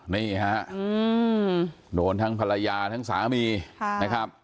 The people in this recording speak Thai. นี่ฮะโดนทั้งภรรยาทั้งสามีนะครับ